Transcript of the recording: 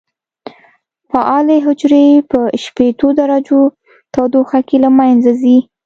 فعالې حجرې په شپېتو درجو تودوخه کې له منځه ځي.